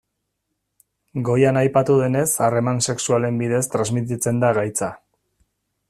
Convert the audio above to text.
Goian aipatu denez harreman sexualen bidez transmititzen da gaitza.